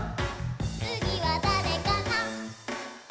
「つぎはだれかな？」